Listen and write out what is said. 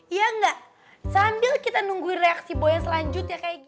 iya gak sambil kita nungguin reaksi boy yang selanjutnya kayak gini